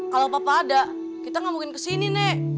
kalau papa ada kita nggak mungkin kesini nek